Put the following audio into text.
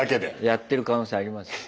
やってる可能性ありますよ。